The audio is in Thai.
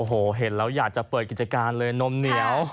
โอ้โหเห็นแล้วอยากจะเปิดกิจการเลยนมเหนียว